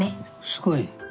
すごい。